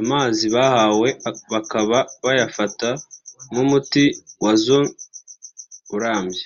amazi bahawe bakaba bayafata nk’umuti wazon urambye